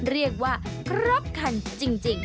เรียกว่าครบคันจริง